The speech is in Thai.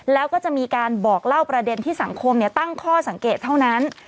แล้วก็จะมีการบอกเล่าประเด็นที่สังคมตั้งข้อสังเกตเท่านั้น